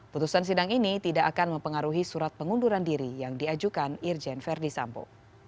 putusan sidang ini tidak akan mempengaruhi surat pengunduran diri yang diajukan irjen verdi sambo